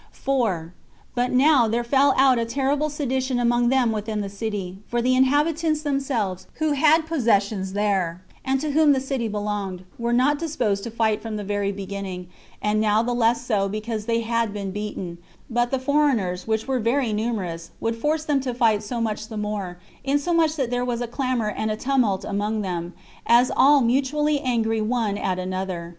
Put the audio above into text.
4. But now there fell out a terrible sedition among them within the city; for the inhabitants themselves, who had possessions there, and to whom the city belonged, were not disposed to fight from the very beginning; and now the less so, because they had been beaten; but the foreigners, which were very numerous, would force them to fight so much the more, insomuch that there was a clamor and a tumult among them, as all mutually angry one at another.